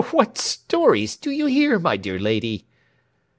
"What stories do you hear, my dear lady?"